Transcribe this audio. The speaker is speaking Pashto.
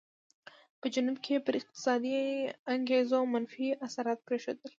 په جنوب کې یې پر اقتصادي انګېزو منفي اثرات پرېښودل.